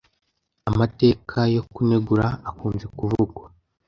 Amateka yo kunegura akunze kuvugwa